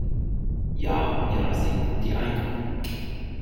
Jahr um Jahr sinken die Einkommen.